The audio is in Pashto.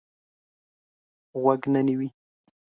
غوږ نه نیوی.